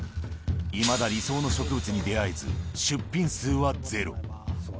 いまだ理想の植物に出会えず、出品数はゼロ。